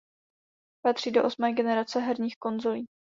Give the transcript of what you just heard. Patří do osmé generace herních konzolí.